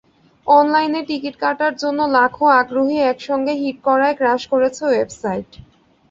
অনলাইনে টিকিট কাটার জন্য লাখো আগ্রহী একসঙ্গে হিট করায় ক্রাশ করেছে ওয়েবসাইট।